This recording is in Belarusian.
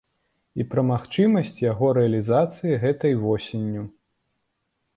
І пра магчымасць яго рэалізацыі гэтай восенню.